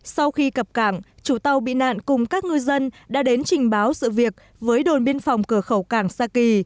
sau khi cập cảng chủ tàu bị nạn cùng các ngư dân đã đến trình báo sự việc với đồn biên phòng cửa khẩu cảng sa kỳ